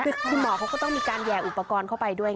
คือคุณหมอเขาก็ต้องมีการแยกอุปกรณ์เข้าไปด้วย